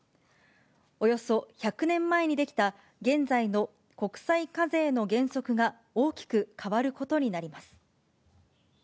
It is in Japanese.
およそ１００年前に出来た現在の国際課税の原則が大きく変わることになります。